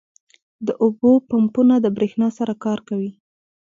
• د اوبو پمپونه د برېښنا سره کار کوي.